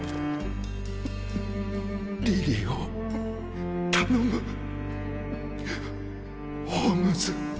リリーを頼むホームズ